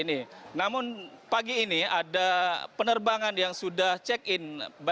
namun pagi ini ada penerbangan yang sudah check in